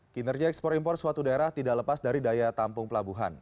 kinerja ekspor impor suatu daerah tidak lepas dari daya tampung pelabuhan